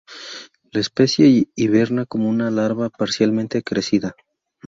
La especie hiberna como una larva parcialmente crecida.